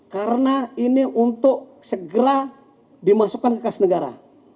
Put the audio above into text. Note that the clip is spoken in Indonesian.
karena ini untuk segera dimasukkan ke kas negara